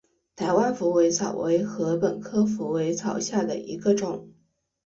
台湾虎尾草为禾本科虎尾草下的一个种。